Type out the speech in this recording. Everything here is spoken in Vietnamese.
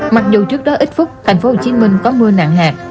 mặc dù trước đó ít phút tp hcm có mưa nặng hạt